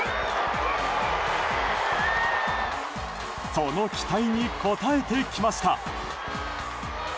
その期待に応えてきました。